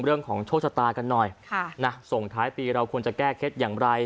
เรื่องของโชคชะตากันหน่อยส่งท้ายปีเราควรจะแก้เคล็ดอย่างไร